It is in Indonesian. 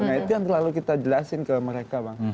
nah itu yang terlalu kita jelasin ke mereka bang